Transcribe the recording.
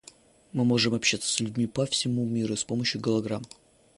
Мы можем общаться с людьми по всему миру с помощью голограмм.